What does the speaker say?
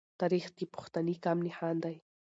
تاریخ د پښتني قام نښان دی.